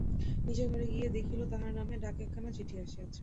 নিজের ঘরে গিয়া দেখিল তাহার নামে ডাকে একখানা চিঠি আসিয়াছে।